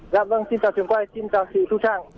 dạ vâng xin chào trường quay xin chào chị thu trang